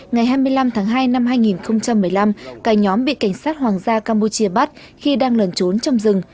ngày hai mươi năm tháng hai năm hai nghìn một mươi năm cả nhóm bị cảnh sát hoàng gia campuchia bắt khi đang lẩn trốn trong rừng